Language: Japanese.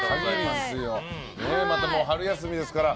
また春休みですから。